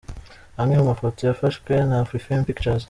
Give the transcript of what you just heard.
Amwe mu mafoto yafashwe na Afrifame Pictures.